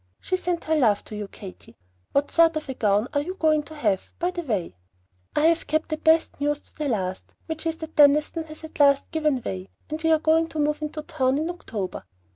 She sent her love to you, Katy. What sort of a gown are you going to have, by the way? I have kept my best news to the last, which is that Deniston has at last given way, and we are to move into town in October.